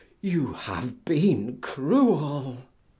You have been cruel!"